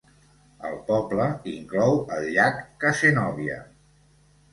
El poble inclou el llac Cazenovia.